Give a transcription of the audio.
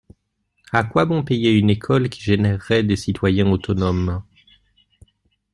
A quoi bon payer une école qui générerait des citoyens autonomes